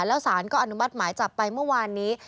แล้วสารอมบัติหมายจากไปเมื่อวานนี้